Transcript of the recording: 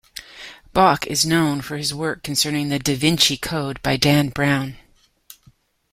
Bock is known for his work concerning "The Da Vinci Code" by Dan Brown.